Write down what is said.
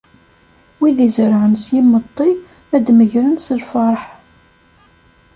Wid izerrɛen s yimeṭṭi, ad d-megren s lferḥ.